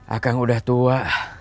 akang udah tua